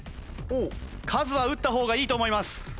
数は打った方がいいと思います。